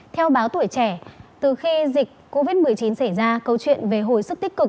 theo báo tuổi trẻ từ khi dịch covid một mươi chín xảy ra câu chuyện về hồi sức tích cực